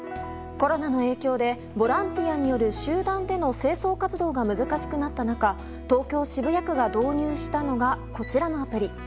コロナの影響でボランティアによる集団での清掃活動が難しくなった中東京・渋谷区が導入したのがこちらのアプリ。